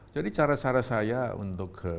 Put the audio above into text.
jadi cara cara saya untuk